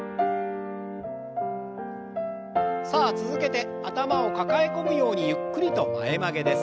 さあ続けて頭を抱え込むようにゆっくりと前曲げです。